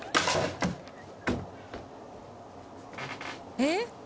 えっ？